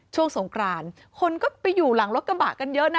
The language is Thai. ช่วงสงกรานคนก็ไปอยู่หลังรถกระบะกันเยอะนะ